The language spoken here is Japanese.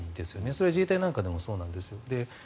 それは自衛隊なんかでもそうなんですよ。